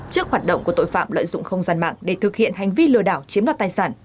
trước hoạt động của tội phạm lợi dụng không gian mạng để thực hiện hành vi lừa đảo chiếm đoạt tài sản